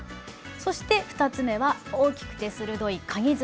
そして２つ目は大きくてするどい「かぎ爪」。